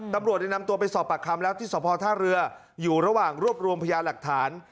ตำรวจได้นำตัวไปสอบปากคำแล้วที่สภท่าเรืออยู่ระหว่างรวบรวมพยาหลักฐาน